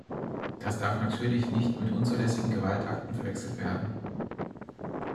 Das darf natürlich nicht mit unzulässigen Gewaltakten verwechselt werden.